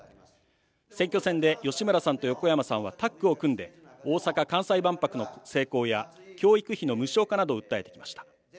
選挙戦で吉村さんと横山さんはタッグを組んで、大阪・関西万博の成功や教育費の無償化などを訴えてきました。